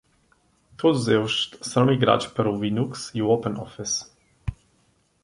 Todos eles serão migrados para o Linux e o OpenOffice.